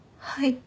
はい。